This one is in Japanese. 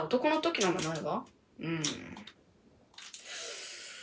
うん。